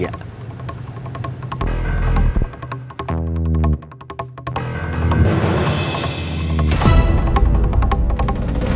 jadi apa sih